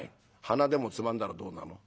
「鼻でもつまんだらどうなの」。